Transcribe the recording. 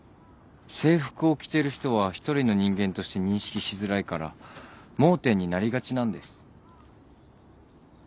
制服を着てる人は一人の人間として認識しづらいから盲点になりがちなんです。